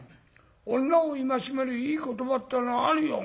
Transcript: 女を戒めるいい言葉ってのがあるよ。